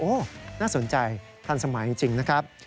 โอ้โหน่าสนใจทันสมัยจริงนะครับ